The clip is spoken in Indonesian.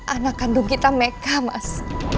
anak kandung kita meka mas